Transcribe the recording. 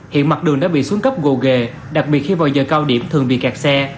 hiện mặt đường đã bị xuống cấp gồ ghề đặc biệt khi vào giờ cao điểm thường bị kẹt xe